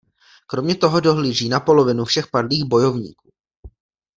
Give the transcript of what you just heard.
Kromě toho dohlíží na polovinu všech padlých bojovníků.